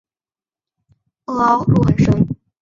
萼凹入很深。